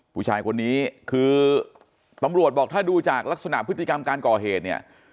ผู้ชายคนนี้คือตำรวจบอกถ้าดูจากลักษณะพฤติกรรมการก่อเหตุเนี่ย